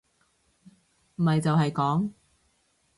咪就係講